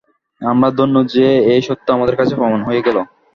আমরা ধন্য যে এই সত্য আমাদের কাছে প্রমাণ হয়ে গেল।